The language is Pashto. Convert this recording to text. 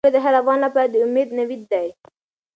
سوله د هر افغان لپاره د امید نوید دی.